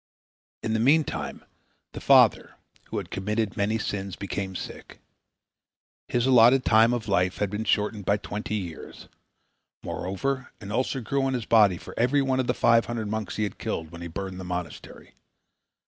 In the meantime the father, who had committed many sins, became sick. His allotted time of life had been shortened by twenty years. Moreover, an ulcer grew on his body for every one of the five hundred monks he had killed when he burned the monastery.